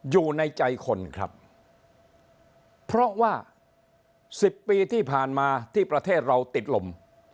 อยู่ในใจคนครับเพราะว่า๑๐ปีที่ผ่านมาที่ประเทศเราติดลม